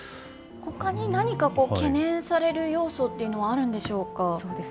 ほかに何か懸念される要素っていうのはあるんでしょうか。